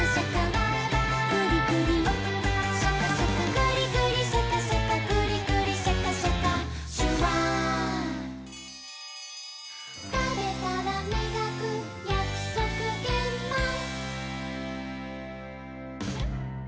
「グリグリシャカシャカグリグリシャカシャカ」「シュワー」「たべたらみがくやくそくげんまん」